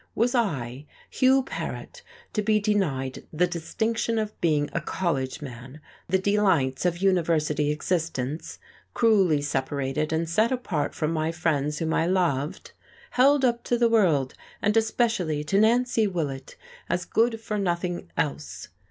Was I, Hugh Paret, to be denied the distinction of being a college man, the delights of university existence, cruelly separated and set apart from my friends whom I loved! held up to the world and especially to Nancy Willett as good for nothing else!